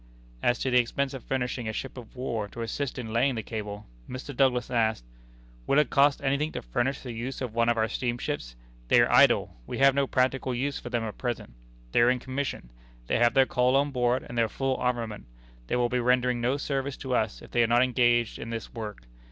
As to the expense of furnishing a ship of war to assist in laying the cable, Mr. Douglas asked: "Will it cost anything to furnish the use of one of our steamships? They are idle. We have no practical use for them at present. They are in commission. They have their coal on board, and their full armament. They will be rendering no service to us if they are not engaged in this work.